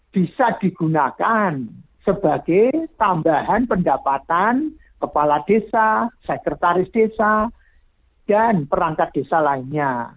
bisa digunakan sebagai tambahan pendapatan kepala desa sekretaris desa dan perangkat desa lainnya